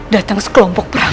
datang sekelompok perang